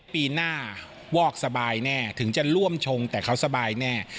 ปีหน้าวอกสบายแน่ถึงจะร่วมชงแต่เขาสบายแน่